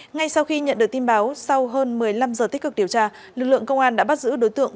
ngay sau khi nhận được tin báo sau hơn một mươi năm giờ tích cực điều tra lực lượng công an đã bắt giữ đối tượng